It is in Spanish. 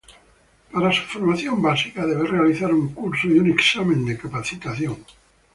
Para su formación básica, debe realizar un curso y un examen de capacitación.